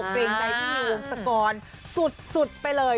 เกรงใจพี่วงศกรสุดไปเลย